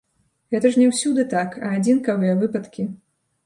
Гэта ж не ўсюды так, а адзінкавыя выпадкі.